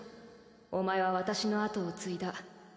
お前は私の後を継いだ